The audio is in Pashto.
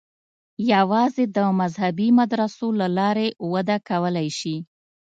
یوازې د مذهبي مدرسو له لارې وده کولای شي.